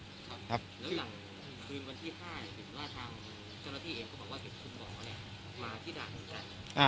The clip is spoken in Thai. คืนวันที่๕เจ้าหน้าที่เองก็บอกว่าเดี๋ยวคุณบอกว่าเนี่ยมาที่ด่านหัวใจ